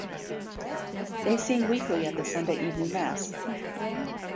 They sing weekly at the Sunday evening Mass.